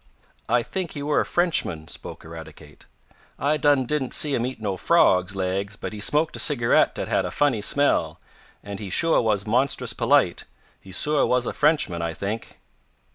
"I think he were a Frenchman," spoke Eradicate. "I done didn't see him eat no frogs' laigs, but he smoked a cigarette dat had a funny smell, and he suah was monstrous polite. He suah was a Frenchman. I think."